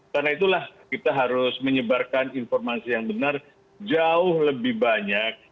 karena itulah kita harus menyebarkan informasi yang benar jauh lebih banyak